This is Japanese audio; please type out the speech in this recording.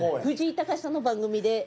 藤井隆さんの番組で。